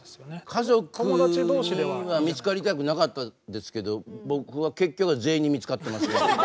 家族には見つかりたくなかったですけど僕は結局は全員に見つかってますね。